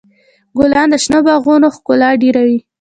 ګلان د شنو باغونو ښکلا ډېروي.